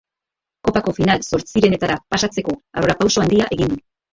Kopako final zortzirenetara pasatzeko aurrerapauso handia egin du.